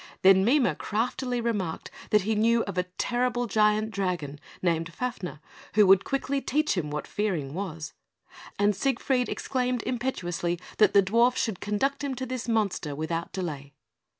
Then Mime craftily remarked that he knew of a terrible giant dragon, named Fafner, who would quickly teach him what fearing was; and Siegfried exclaimed impetuously that the dwarf should conduct him to this monster without delay.